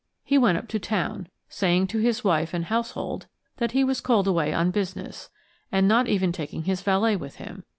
He went up to town, saying to his wife and household that he was called away on business, and not even taking his valet with him.